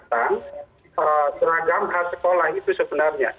tentang seragam khas sekolah itu sebenarnya